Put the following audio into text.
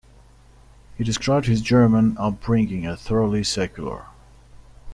He described his German upbringing as thoroughly secular.